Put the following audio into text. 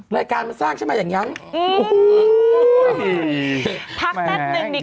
รายการมันสร้างใช่ไหมอย่างนี้